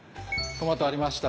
トマトありました